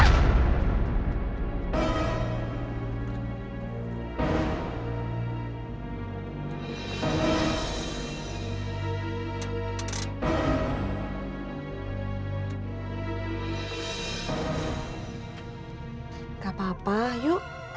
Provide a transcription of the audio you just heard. gak apa apa yuk